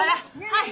はい。